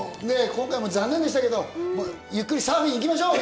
今回残念でしたけど、ゆっくりサーフィン行きましょう！